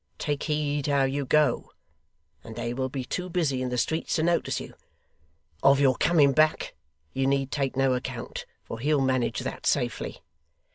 Take heed how you go, and they will be too busy in the streets to notice you. Of your coming back you need take no account, for he'll manage that, safely.